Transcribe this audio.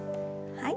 はい。